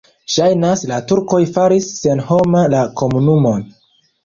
Ŝajnas, la turkoj faris senhoma la komunumon.